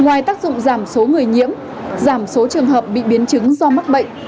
ngoài tác dụng giảm số người nhiễm giảm số trường hợp bị biến chứng do mắc bệnh